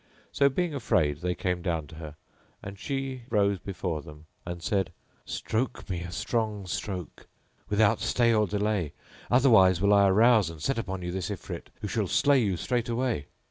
So, being afraid, they came down to her and she rose be fore them and said, "Stroke me a strong stroke, without stay or delay, otherwise will I arouse and set upon you this Ifrit who shall slay you straightway."